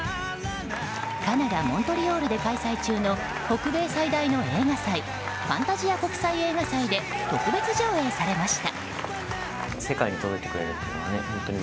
カナダ・モントリオールで開催中の北米最大の映画祭ファンタジア国際映画祭で特別上映されました。